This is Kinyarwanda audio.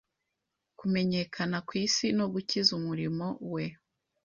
kumenyekana ku isi no gukiza umurimo we